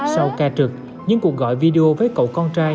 sau ca trực những cuộc gọi video với cậu con trai